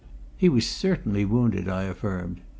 "He was certainly wounded," I affirmed.